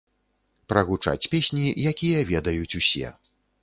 Прагучаць песні, якія ведаюць усе.